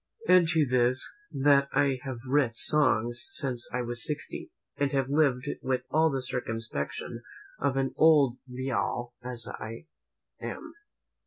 Add to this, that I have writ songs since I was sixty, and have lived with all the circumspection of an old beau as I am.